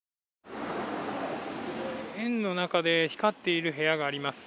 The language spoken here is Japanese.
園の中で光っている部屋があります。